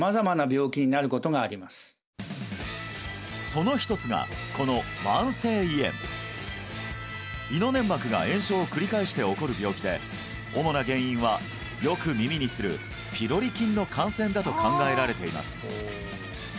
その一つがこの慢性胃炎胃の粘膜が炎症を繰り返して起こる病気で主な原因はよく耳にするピロリ菌の感染だと考えられています